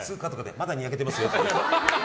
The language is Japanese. まだ、にやけてますよって。